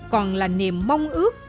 còn là niềm mong ước